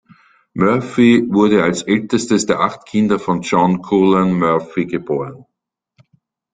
Murphy wurde als ältestes der acht Kinder von John Cullen Murphy geboren.